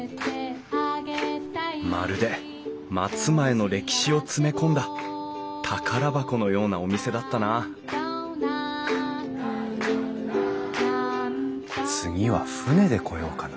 まるで松前の歴史を詰め込んだ宝箱のようなお店だったな次は船で来ようかな。